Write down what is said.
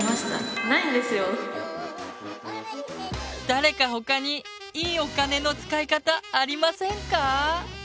誰か他に「いいお金の使い方」ありませんか？